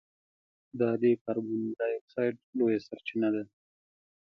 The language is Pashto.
دا د کاربن ډای اکسایډ لویه سرچینه ده.